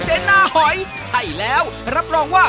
กล้วยกีฬ่า